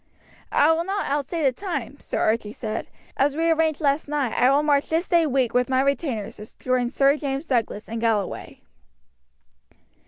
"I will not outstay the time," Sir Archie said. "As we arranged last night, I will march this day week with my retainers to join Sir James Douglas in Galloway."